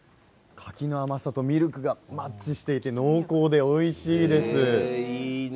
柿の甘さとミルクがマッチしていて濃厚でいいね。